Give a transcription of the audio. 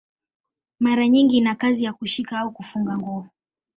Mara nyingi ina kazi ya kushika au kufunga nguo.